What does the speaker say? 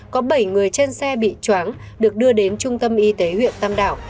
có bảy người trên xe bị chóng được đưa đến trung tâm y tế huyện tam đảo